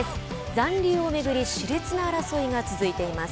残留を巡りしれつな争いが続いています。